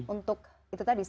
untuk itu tadi